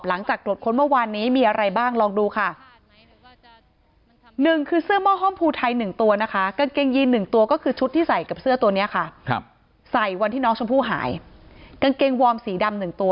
หลังจากตรวจค้นเมื่อวานนี้มีอะไรบ้างลองดูค่ะ